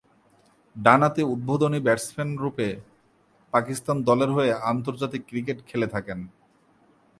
ডানহাতি উদ্বোধনী ব্যাটসম্যানরূপে পাকিস্তান দলের হয়ে আন্তর্জাতিক ক্রিকেট খেলে থাকেন।